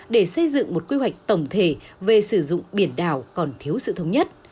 để xây dựng một quy hoạch tổng thể về sử dụng biển đảo còn thiếu sự thống nhất